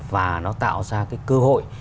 và nó tạo ra cái cơ hội